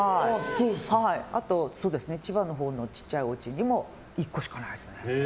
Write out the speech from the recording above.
あと、千葉の小さいおうちにも１個しかないですね。